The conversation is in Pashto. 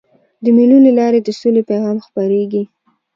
د مېلو له لاري د سولي پیغام خپرېږي.